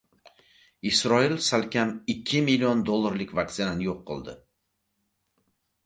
Isroil salkam ikki million dollarlik vaksinani yo‘q qildi